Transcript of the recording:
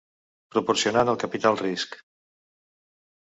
proporcionant el capital risc.